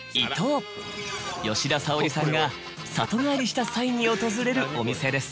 吉田沙保里さんが里帰りした際に訪れるお店です。